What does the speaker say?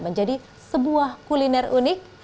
menjadi sebuah kuliner unik